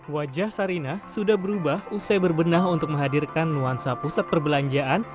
wajah sarinah sudah berubah usai berbenah untuk menghadirkan nuansa pusat perbelanjaan